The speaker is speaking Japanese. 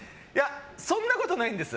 そんなことないんです。